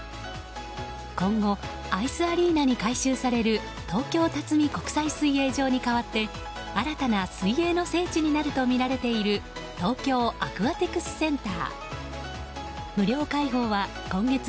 今後アイスアリーナに改修される東京辰巳国際水泳場に代わって新たな水泳の聖地になるとみられている東京アクアティクスセンター。